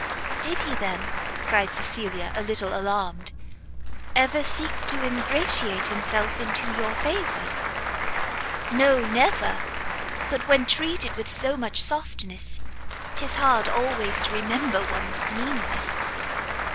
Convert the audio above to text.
"Did he, then," cried Cecilia a little alarmed, "ever seek to ingratiate himself into your favour?" "No, never! but when treated with so much softness, 'tis hard always to remember one's meanness!